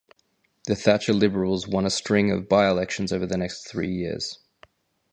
The Thatcher Liberals won a string of by-elections over the next three years.